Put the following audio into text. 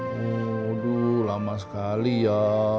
waduh lama sekali ya